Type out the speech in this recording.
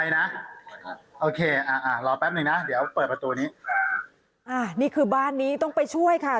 นี่คือบ้านนี้ต้องไปช่วยค่ะ